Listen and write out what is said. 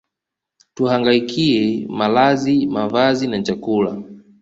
tuhangaikie malazi mavazi na chakula